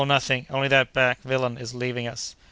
nothing; only that black villain leaving us!"